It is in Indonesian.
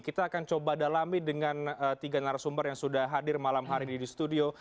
kita akan coba dalami dengan tiga narasumber yang sudah hadir malam hari ini di studio